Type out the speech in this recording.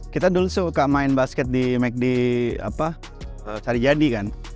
kita dulu suka main basket di maik di apa sarijadi kan